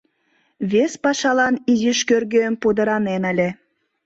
Вес пашалан изиш кӧргем пудыранен ыле...